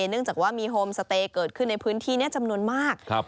เนื่องจากว่ามีโฮมสเตย์เกิดขึ้นในพื้นที่นี้จำนวนมาก